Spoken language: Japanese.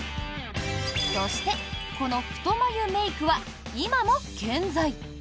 そしてこの太眉メイクは今も健在。